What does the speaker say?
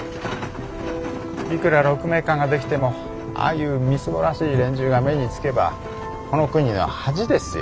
いくら鹿鳴館が出来てもああいうみすぼらしい連中が目につけばこの国の恥ですよ。